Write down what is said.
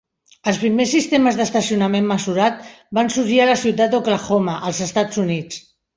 Els primers sistemes d'estacionament mesurat van sorgir a la ciutat d'Oklahoma, als Estats Units.